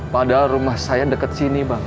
padahal rumah saya dekat sini bang